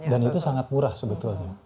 dan itu sangat murah sebetulnya